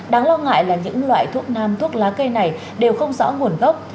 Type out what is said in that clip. đáng lo ngại là những loại thuốc nam thuốc lá cây này đều không rõ nguồn gốc